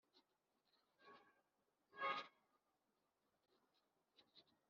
w Urukiko rw Ikirenga byemejwe n Inama